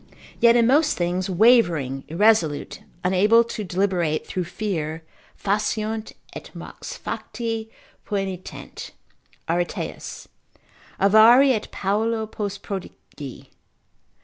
Yet in most things wavering, irresolute, unable to deliberate, through fear, faciunt, et mox facti poenitent (Areteus) avari, et paulo post prodigi.